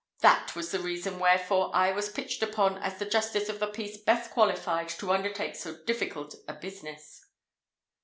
That was the reason wherefore I was pitched upon as the Justice of the Peace best qualified to undertake so difficult a business."